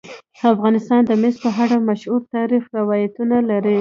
افغانستان د مس په اړه مشهور تاریخی روایتونه لري.